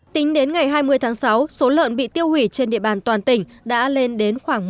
tính đến ngày hai mươi tháng sáu số lợn bị tiêu hủy trên địa bàn toàn tỉnh đã lên đến khoảng một mươi con